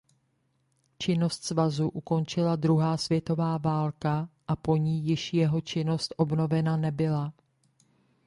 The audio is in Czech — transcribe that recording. Činnost svazu ukončila druhá světová válka a po ní již jeho činnost obnovena nebyla.